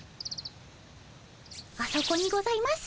あそこにございます。